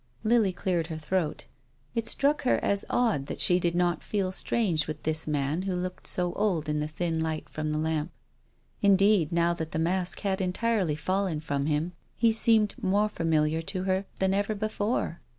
Lily cleared her throat. It struck her as odd that she did not feel strange with this man who looked so old in the thin light from the lamp. Indeed, now that the mask had entirely fallen from him, he seemed more familiar to her than ever before.